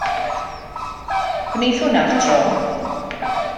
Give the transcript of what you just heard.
Gwneith hwnna'r tro.